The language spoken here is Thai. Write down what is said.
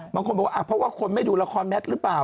บางคนบอกว่าเพราะว่าคนไม่ดูละครแมทหรือเปล่า